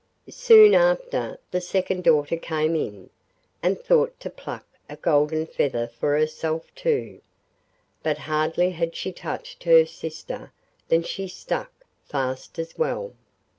Soon after the second daughter came in, and thought to pluck a golden feather for herself too; but hardly had she touched her sister than she stuck fast as well.